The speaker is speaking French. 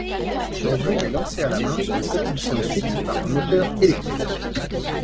L'avion est lancé à la main et propulsé ensuite par un moteur électrique.